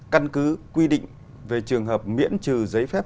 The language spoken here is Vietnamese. căn cứ quy định về trường hợp miễn trừ giấy phép